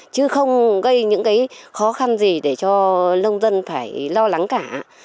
chứ không gây những cái khó khăn gì để cho nông dân phải lo lắng cả